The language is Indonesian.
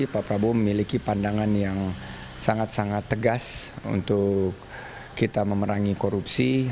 pak prabowo memiliki pandangan yang sangat sangat tegas untuk kita memerangi korupsi